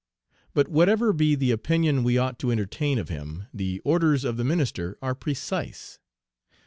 But whatever be the opinion we ought to entertain of him, the orders of the minister are precise.